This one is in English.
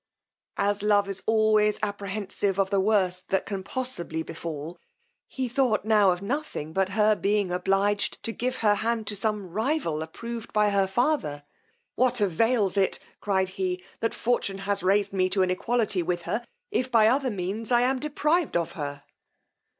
As love is always apprehensive of the worst that can possibly befal, he thought now of nothing but her being obliged to give her hand to some rival approved by her father: what avails it, cried he, that fortune has raised me to an equality with her, if, by other means, I am deprived of her!